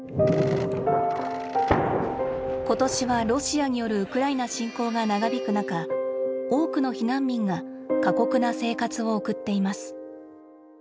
今年はロシアによるウクライナ侵攻が長引く中多くの避難民が過酷な生活を送っています。